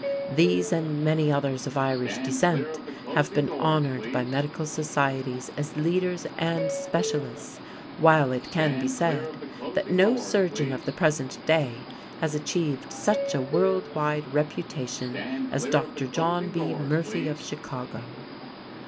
These and many others of Irish descent have been honored by medical societies as leaders and specialists, while it can be said that no surgeon of the present day has achieved such a world wide reputation as Dr. John B. Murphy of Chicago.